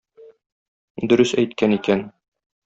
Дөрес әйткән икән.